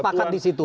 kita sepakat disitu